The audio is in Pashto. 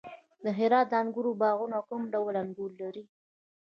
د هرات د انګورو باغونه کوم ډول انګور لري؟